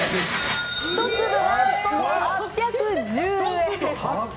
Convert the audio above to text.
１粒なんと８１０円。